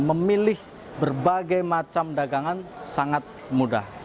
memilih berbagai macam dagangan sangat mudah